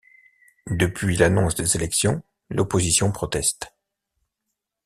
Depuis l'annonce des élections, l'opposition proteste.